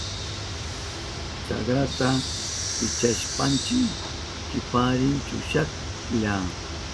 Chakrata pichashpanchi kiparin chushahlla.